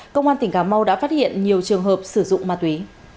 công an tỉnh cà mau đã phát hiện nhiều trường hợp sử dụng ma túy